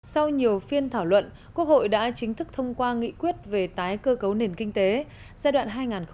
sau nhiều phiên thảo luận quốc hội đã chính thức thông qua nghị quyết về tái cơ cấu nền kinh tế giai đoạn hai nghìn một mươi sáu hai nghìn hai mươi